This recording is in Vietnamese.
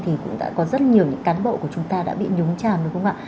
thì cũng đã có rất nhiều những cán bộ của chúng ta đã bị nhúng chàm đúng không ạ